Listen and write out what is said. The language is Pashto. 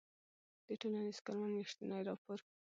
د ټـولنیـز کارمنــد میاشتنی راپــور